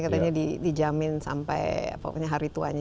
katanya dijamin sampai pokoknya hari tuanya